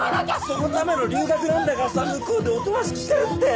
そのための留学なんだからさ向こうでおとなしくしてるって！